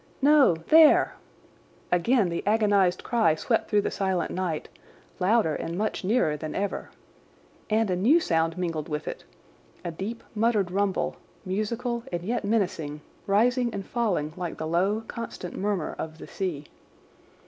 "No, there!" Again the agonised cry swept through the silent night, louder and much nearer than ever. And a new sound mingled with it, a deep, muttered rumble, musical and yet menacing, rising and falling like the low, constant murmur of the sea.